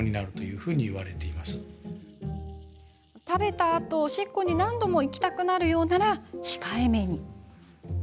食べたあと、おしっこに何度も行きたくなるようなら控えめに。